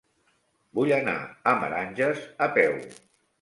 Vull anar a Meranges a peu.